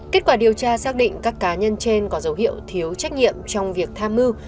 kết quả điều tra xác định các cá nhân trên có dấu hiệu thiếu trách nhiệm trong việc tham mưu